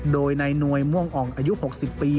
โดยนายหน่วยม่วงอ่องอายุ๖๐ปี